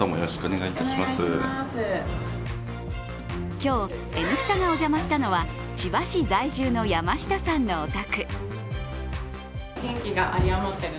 今日、「Ｎスタ」がお邪魔したのは千葉市在住の山下さんのお宅。